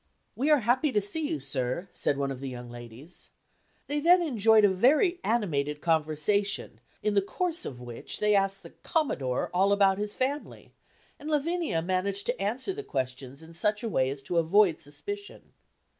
"We are happy to see you, sir," said one of the young ladies. They then enjoyed a very animated conversation, in the course of which they asked the "Commodore" all about his family, and Lavinia managed to answer the questions in such a way as to avoid suspicion.